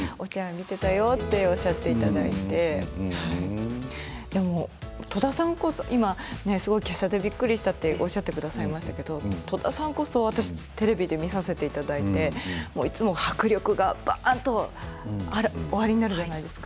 見ていたよとおっしゃっていただいて戸田さんこそ今すごくきゃしゃでびっくりしたとおっしゃってくださいましたけど戸田さんこそ私テレビで見させていただいていつも迫力がばーっとおありになるじゃないですか。